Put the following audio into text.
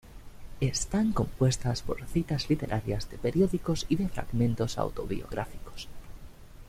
Están compuestas por citas literarias, de periódicos y de fragmentos autobiográficos.